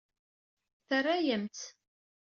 Terra-yam-t.